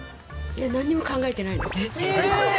何も考えてないの。